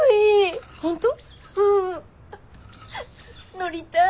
乗りたい。